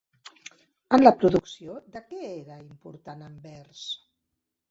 En la producció de què era important Anvers?